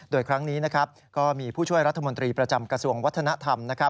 โดยครั้งนี้ก็มีผู้ช่วยรัฐมนตรีประจำกระทรวงวัฒนธรรม